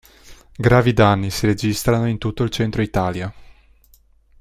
Gravi danni si registrarono in tutto il centro Italia.